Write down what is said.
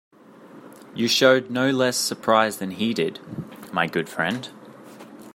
You showed no less surprise than he did, my good friend.